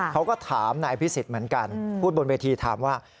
เขาก็ถามนายอภิษฎเหมือนกันพูดบนเวทีถามว่า